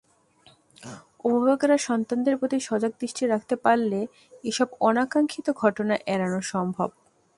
অভিভাবকেরা সন্তানদের প্রতি সজাগ দৃষ্টি রাখতে পারলে এসব অনাকাঙ্ক্ষিত ঘটনা এড়ানো সম্ভব।